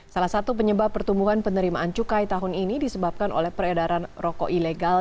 salah satu penyebab pertumbuhan penerimaan cukai tahun ini disebabkan oleh peredaran rokok ilegal